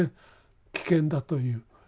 危険だという。